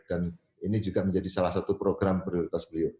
dan ini juga menjadi salah satu program prioritas beliau